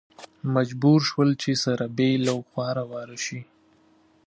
مجبور شول چې سره بېل او خواره واره شي.